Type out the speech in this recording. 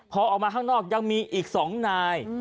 พอออกมาข้างนอกยังมีอีก๒นาย